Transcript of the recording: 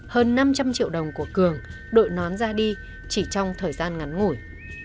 hơn năm trăm linh triệu đồng của cường đội nón ra đi chỉ trong thời gian ngắn ngủi